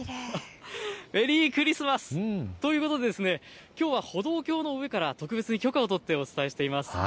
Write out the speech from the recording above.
メリークリスマス、ということできょうは歩道橋の上から特別に許可を取ってお伝えしています。